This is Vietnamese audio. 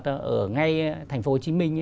ở ngay thành phố hồ chí minh